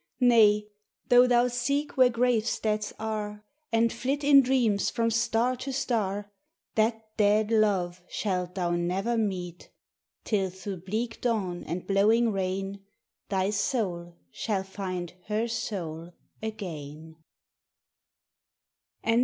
Nay, though thou seek where gravesteads are, And flit in dreams from star to star, That dead love shalt thou never meet, Till through bleak dawn and blowing rain Thy soul shall find her soul again.